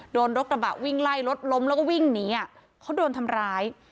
โดนรถกระบะวิ่งไล่รถล้มแล้วก็วิ่งหนีเขาโดนทำร้าย